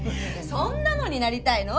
そんなのになりたいの？